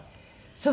そう。